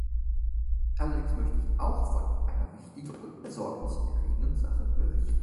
Allerdings möchte ich auch von einer wichtigen und Besorgnis erregenden Sache berichten.